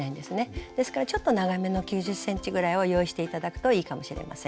ですからちょっと長めの９０ｃｍぐらいを用意して頂くといいかもしれません。